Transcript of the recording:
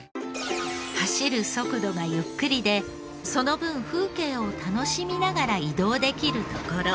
走る速度がゆっくりでその分風景を楽しみながら移動できるところ。